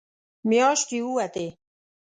مياشتې ووتې.